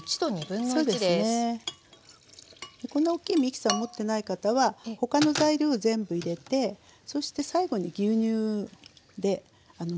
こんな大きいミキサー持ってない方は他の材料全部入れてそして最後に牛乳でのばすような感じにしてね。